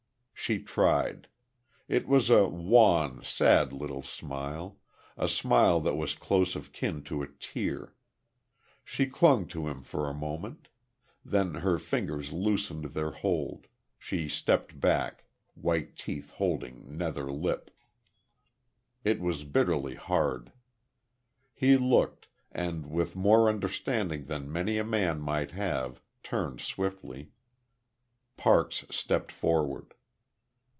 She tried. It was a wan, sad little smile a smile that was close of kin to a tear. She clung to him for a moment; then her fingers loosened their hold; she stepped back, white teeth holding nether lip. It was bitterly hard. He looked; and with more understanding than many a man might have, turned swiftly. Parks stepped forward.